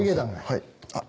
はい。